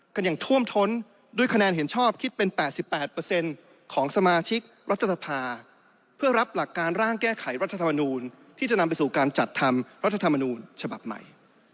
กันอย่างท่วมท้นด้วยคะแนนเห็นชอบคิดเป็น๘๘ของสมาชิกรัฐสภาเพื่อรับหลักการร่างแก้ไขรัฐธรรมนูลที่จะนำไปสู่การจัดทำรัฐธรรมนูญฉบับใหม่